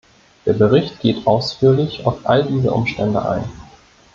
Der Bericht geht ausführlich auf all diese Umstände ein.